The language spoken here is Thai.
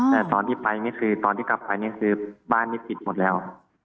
แต่ตอนที่ไปนี่คือตอนที่กลับไปนี่คือบ้านนี้ปิดหมดแล้ว